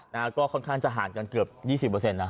นะฮะก็ค่อนข้างจะห่างกันเกือบ๒๐นะ